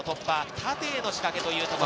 縦への仕掛けというところ。